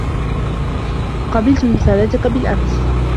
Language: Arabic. قبلتُ رسالتك بالأمس.